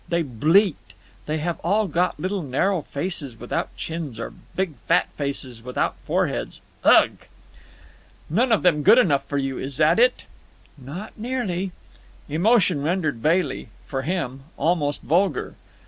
They bleat. They have all got little, narrow faces without chins or big, fat faces without foreheads. Ugh!" "None of them good enough for you, is that it?" "Not nearly." Emotion rendered Bailey—for him—almost vulgar.